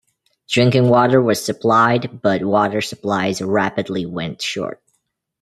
Drinking water was supplied, but water supplies rapidly went short.